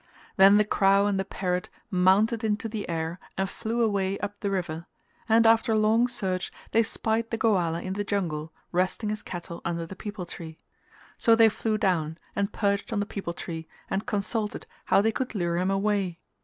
Then the crow and the parrot mounted into the air and flew away up the river, and after long search they spied the Goala in the jungle resting his cattle under the peepul tree; so they flew down and perched on the peepul tree and consulted how they could lure him away.